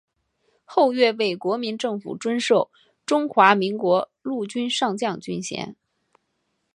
后岳被国民政府追授中华民国陆军上将军衔。